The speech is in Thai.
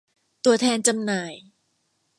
ตัวแทนจำหน่าย